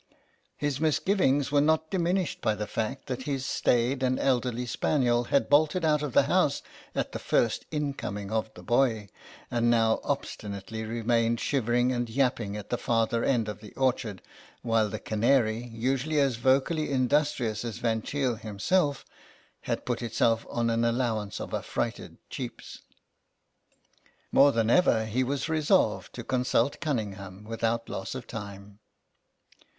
His misgivings were 56 GABRIEL ERNEST not diminished by the fact that his staid and elderly spaniel had bolted out of the house at the first incoming of the boy, and now obstinately remained shivering and yapping at the farther end of the orchard, while the canary, usually as vocally industrious as Van Cheele himself, had put itself on an allow ance of frightened cheeps. More than ever he was resolved to consult Cunningham without loss of time.